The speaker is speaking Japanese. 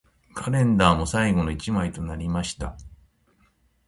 カレンダーも最後の一枚となりました